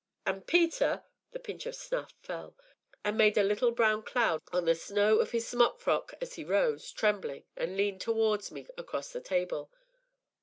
"An' Peter !" The pinch of snuff fell, and made a little brown cloud on the snow of his smock frock as he rose, trembling, and leaned towards me, across the table.